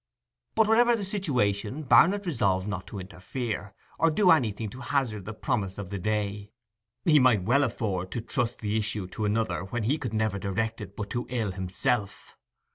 But whatever the situation, Barnet resolved not to interfere, or do anything to hazard the promise of the day. He might well afford to trust the issue to another when he could never direct it but to ill himself.